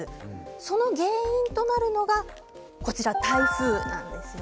その原因となるのが台風なんです。